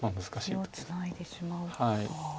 これをツナいでしまうああ。